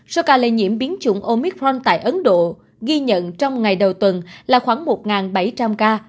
số ca lây nhiễm biến chủng omicron tại ấn độ ghi nhận trong ngày đầu tuần là khoảng một bảy trăm linh ca